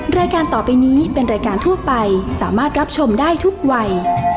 รายการต่อไปนี้เป็นรายการทั่วไปสามารถรับชมได้ทุกวัย